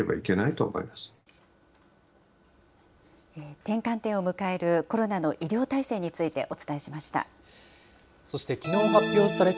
転換点を迎えるコロナの医療体制についてお伝えしました。